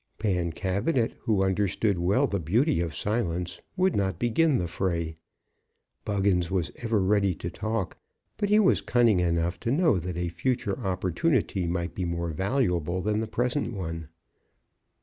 Pancabinet, who understood well the beauty of silence, would not begin the fray. Buggins was ever ready to talk, but he was cunning enough to know that a future opportunity might be more valuable than the present one.